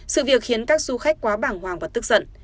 sự việc khiến các du khách quá bảng hoàng và tức giận